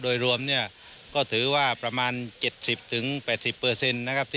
โดยรวมเนี่ยก็ถือว่าประมาณเจ็ดสิบถึงแปดสิบเปอร์เซ็นต์นะครับ